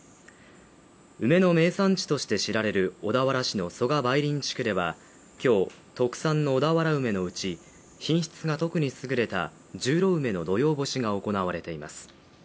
梅の名産地として知られる小田原市の曽我梅林地区では今日、特産の小田原梅のうち品質が特に優れた十郎梅の土用干しが行われています。